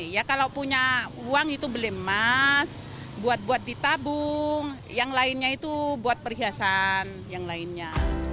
ya kalau punya uang itu beli emas buat buat ditabung yang lainnya itu buat perhiasan yang lainnya